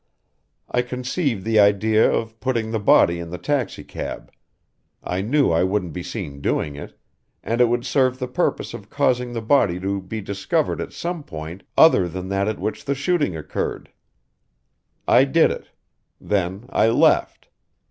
I conceived the idea of putting the body in the taxicab I knew I wouldn't be seen doing it, and it would serve the purpose of causing the body to be discovered at some point other than that at which the shooting occurred. "I did it. Then I left.